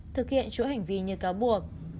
thực hiện chỗ hành vi như cáo buộc